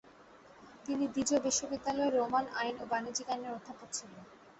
তিনি দিজোঁ বিশ্ববিদ্যালয়ে রোমান আইন ও বাণিজ্যিক আইনের অধ্যাপক ছিলেন।